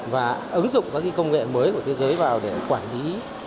và ứng dụng các công nghệ mới của thế giới vào để quản lý